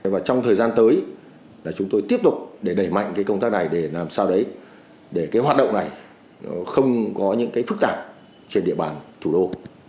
và trong thời gian tới chúng tôi tiếp tục để đẩy mạnh công tác này để làm sao đấy để hoạt động này không có những phức cảm trên địa bàn thủ đô